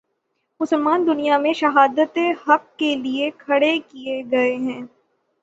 مسلمان دنیا میں شہادت حق کے لیے کھڑے کیے گئے ہیں۔